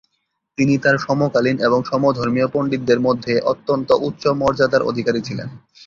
তিনি তার সমকালীন এবং সমধর্মীয় পন্ডিতদের মধ্যে অত্যন্ত উচ্চ মর্যাদার অধিকারী ছিলেন।